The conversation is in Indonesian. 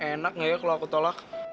enak gak ya kalau aku tolak